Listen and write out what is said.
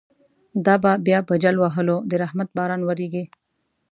دا به بیا په جل وهلو، د رحمت باران وریږی